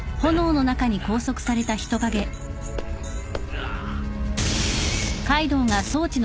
ああ。